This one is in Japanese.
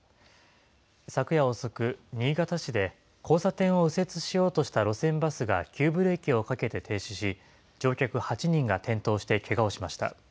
昨夜遅く、新潟市で、交差点を右折しようとした路線バスが急ブレーキをかけて停止し、乗客８人が転倒してけがをしました。